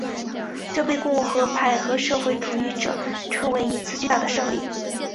这被共和派和社会主义者称为一次巨大胜利。